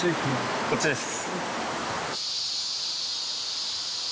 こっちです。